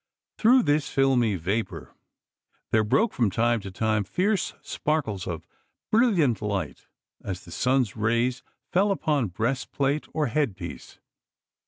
Through this filmy vapour there broke from time to time fierce sparkles of brilliant light as the sun's rays fell upon breastplate or headpiece.